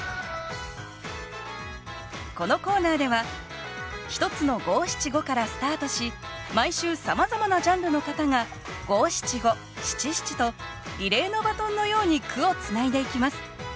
このコーナーでは１つの５７５からスタートし毎週さまざまなジャンルの方が５７５７７とリレーのバトンのように句をつないでいきます。